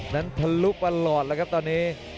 มันทะลุไปหลอดนะครับตอนนี้